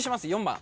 ４番。